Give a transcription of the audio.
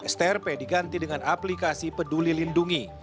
strp diganti dengan aplikasi peduli lindungi